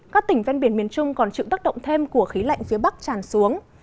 các tỉnh ven biển miền trung còn chịu tác động thêm của khí lạnh phía bắc tràn xuống